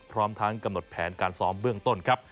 พร้อมทั้งกำหนดแผนการซ้อมเบื้องต้นครับ